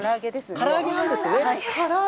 から揚げなんですね。